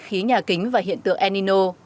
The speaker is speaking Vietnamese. khí nhà kính và hiện tượng enino